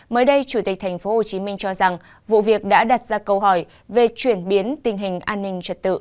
mới đây chủ tịch tp hcm cho rằng vụ việc đã đặt ra câu hỏi về chuyển biến tình hình an ninh trật tự